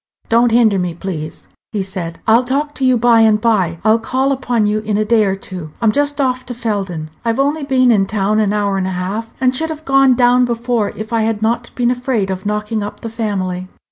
"Don't hinder me, please," he said; I'll talk to you by and by. I'll call upon you in a day or two. I'm just off to Felden. I've only been in town an hour and a half, and should have gone down before if I had not been afraid of knocking up the family."